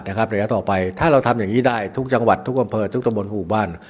โดยเด็ดขาดในระยะต่อไปถ้าเราทำอย่างนี้ได้ทุกจังหวัดทุกกำเภอทุกตอบรรยศบุรุษบ้าน